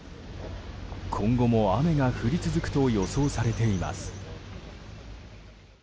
今後も雨が降り続くと予想されています。